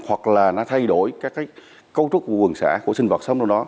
hoặc là nó thay đổi các cấu trúc của quần xã của sinh vật sống trong đó